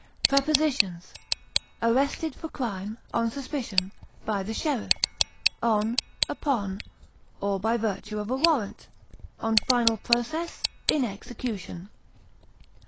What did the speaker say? Prepositions: Arrested for crime, on suspicion, by the sheriff; on, upon, or by virtue of a warrant; on final process; in execution.